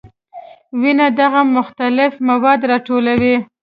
وینه دغه مختلف مواد راټولوي.